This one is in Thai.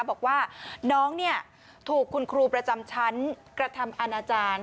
บอกว่าน้องถูกคุณครูประจำชั้นกระทำอาณาจารย์